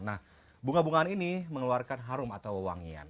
nah bunga bungaan ini mengeluarkan harum atau wangian